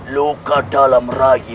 luka dalam ragi